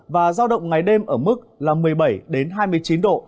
và giao động ngày đêm ở mức là một mươi bảy hai mươi chín độ